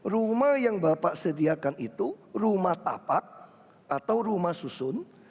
rumah yang bapak sediakan itu rumah tapak atau rumah susun